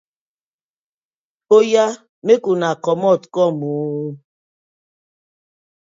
Oya ooo!! Mek una komot kom oo!